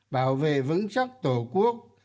bảo vệ vững chắc tổ quốc